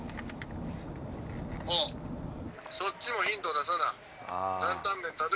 そっちもヒント出さな。